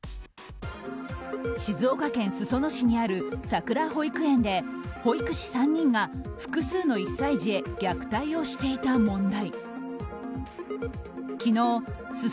静岡県裾野市にあるさくら保育園で保育士３人が複数の１歳児へ虐待をしていた問題。